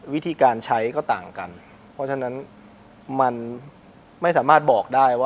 วิธีการใช้ก็ต่างกันเพราะฉะนั้นมันไม่สามารถบอกได้ว่า